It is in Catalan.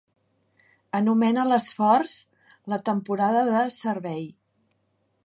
Anomena l'esforç la "temporada de servei".